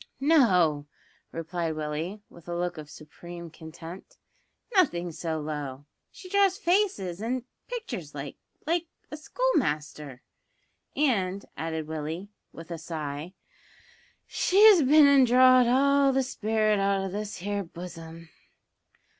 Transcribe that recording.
"No!" replied Willie, with a look of supreme contempt; "nothin' so low; she draws faces an' pictures like like a schoolmaster, and," added Willie, with a sigh, "she's bin an' drawed all the spirit out o' this here buzzum."